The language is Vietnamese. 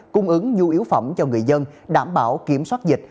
cung ứng nhu yếu phẩm cho người dân đảm bảo kiểm soát dịch